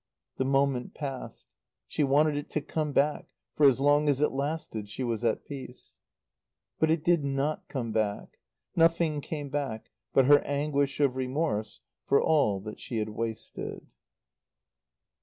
The moment passed. She wanted it to come back, for as long as it lasted she was at peace. But it did not come back. Nothing came back but her anguish of remorse for all that she had wasted.